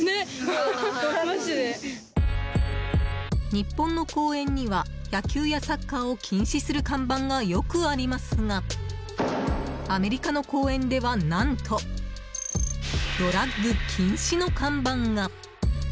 日本の公園には野球やサッカーを禁止する看板がよくありますがアメリカの公園では何と、ドラッグ禁止の看板が！